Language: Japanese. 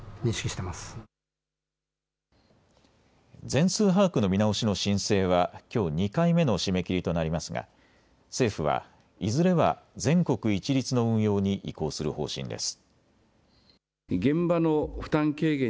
全数把握の見直しの申請はきょう２回目の締め切りとなりますが政府はいずれは全国一律の運用に移行する方針です。